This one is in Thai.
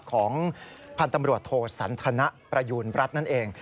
ของพันธุ์ตำรวจโทสันทนประยูณรัฐนั่นเอง